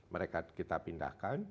mereka kita pindahkan